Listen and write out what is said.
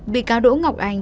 bị cáo đỗ ngọc anh